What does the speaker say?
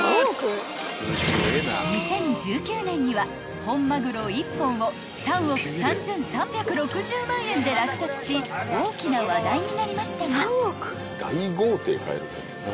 ［２０１９年には本マグロ１本を３億３，３６０万円で落札し大きな話題になりましたが］